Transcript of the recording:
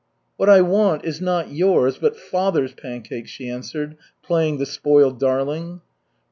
"What I want is not yours, but father's pancakes," she answered, playing the spoiled darling.